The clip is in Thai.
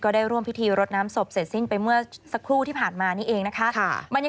ได้ร่วมพิธีรดน้ำศพเสร็จสิ้นไปเมื่อสักครู่ที่ผ่านมานี่เองนะคะ